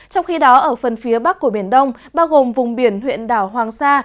trong khi đó ở phần phía bắc của biển đông bao gồm vùng biển huyện đảo hoàng sa